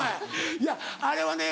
いやあれはね